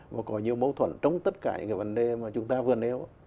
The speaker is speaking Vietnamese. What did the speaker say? và có nhiều bâu thuẫn trong tất cả những cái vấn đề mà chúng ta vừa nếu